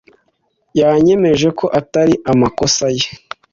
Yanyemeje ko atari amakosa ye.